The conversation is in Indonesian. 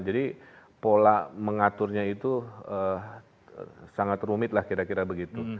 jadi pola mengaturnya itu sangat rumit lah kira kira begitu